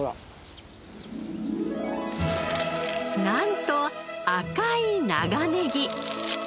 なんと赤い長ネギ。